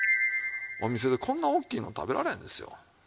お店でこんな大きいの食べられへんですよ。